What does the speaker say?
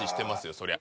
そりゃ。